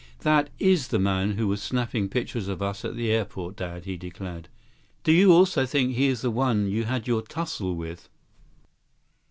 "That is the man who was snapping pictures of us at the airport, Dad," he declared. "Do you also think he's the one you had your tussle with?"